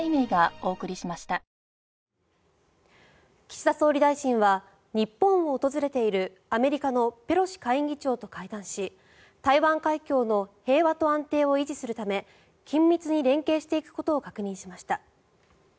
岸田総理大臣は日本を訪れているアメリカのペロシ下院議長と会談し台湾海峡の平和と安定を維持するため緊密に連携していくことを確認しました。